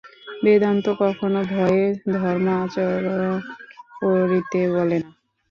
বেদান্ত কখনও ভয়ে ধর্ম আচরণ করিতে বলে না।